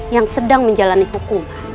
yang sedang menjalani hukum